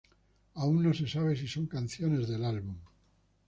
Aún no se sabe si son canciones del álbum.